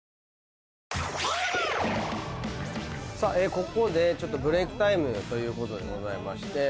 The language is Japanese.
ここでブレークタイムということでございまして。